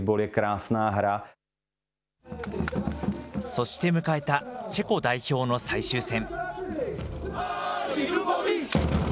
そして迎えたチェコ代表の最終戦。